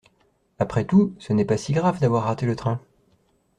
Après tout, ce n'est pas si grave d'avoir râté le train.